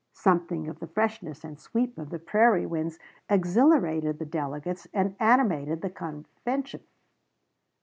Something of the freshness and sweep of the prairie winds exhilarated the delegates and animated the convention.